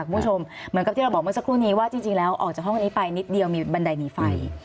คุณผู้ชมเหมือนกับที่เราบอกเมื่อสักครู่นี้ว่าจริงแล้วออกจากห้องนี้ไปนิดเดียวมีบันไดหนีไฟ